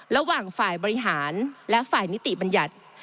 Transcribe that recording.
ระหว่างฝ่ายบริหารและฝ่ายนิติบัญญัติ